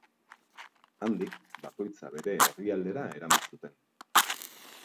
Handik, bakoitza bere herrialdera eraman zuten.